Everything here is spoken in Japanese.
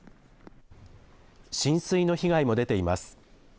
浸水の被害も出ています。